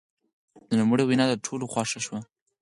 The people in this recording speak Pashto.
د نوموړي وینا د ټولو خوښه شوه.